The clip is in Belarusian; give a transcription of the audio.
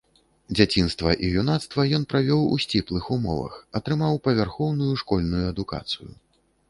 Дзяцінства і юнацтва ён правёў у сціплых умовах, атрымаў павярхоўную школьную адукацыю.